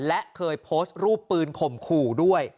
และเคยโพสต์รูปปืนข่มขู่ด้วย